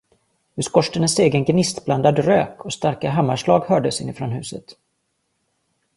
Ur skorstenen steg en gnistblandad rök och starka hammarslag hördes inifrån huset.